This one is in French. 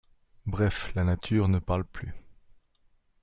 Bref, la nature ne parle plus.